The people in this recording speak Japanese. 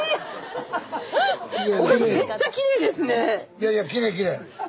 いやいやきれいきれい。